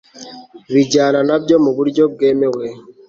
bijyana na byo mu buryo bwemewe